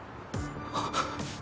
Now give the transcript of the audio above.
あっ。